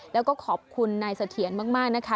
แล้วก็ขอบคุณนายเสถียรมากนะคะ